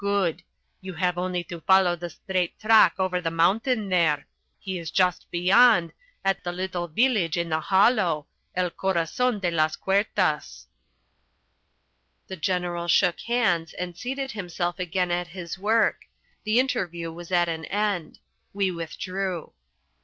Good. You have only to follow the straight track over the mountain there. He is just beyond, at the little village in the hollow, El Corazon de las Quertas." The General shook hands and seated himself again at his work. The interview was at an end. We withdrew.